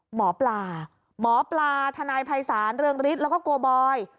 หมอปลาหมอปลาทนายภัยศาลเรืองฤทธิ์แล้วก็โกบอย